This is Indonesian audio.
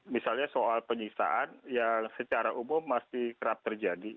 misalnya soal penyiksaan yang secara umum masih kerap terjadi